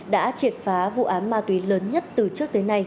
đã triệt phá vụ án ma túy lớn nhất từ trước tới nay